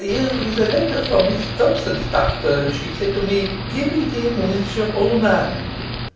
"Here is a letter from Miss Dobson's part. She say to me 'Give it him with your own hand.